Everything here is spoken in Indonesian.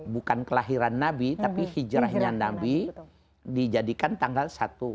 bukan kelahiran nabi tapi hijrahnya nabi dijadikan tanggal satu